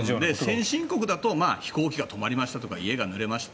先進国だと飛行機が止まりました家がぬれました